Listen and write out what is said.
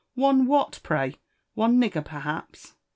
One what, prayt^ one nig ger, perhaps?"